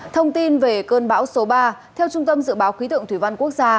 thông tin về cơn bão số ba theo trung tâm dự báo khí tượng thủy văn quốc gia